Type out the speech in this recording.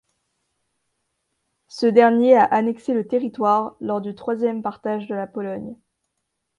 Ce dernier a annexé le territoire lors du troisième partage de la Pologne.